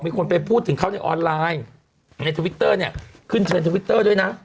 มีคนไปพูดถึงเขาในออนไลน์ในทวิตเตอร์เนี่ยขึ้นเทรนดทวิตเตอร์ด้วยนะ